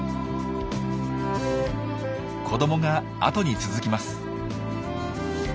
子どもが後に続きます。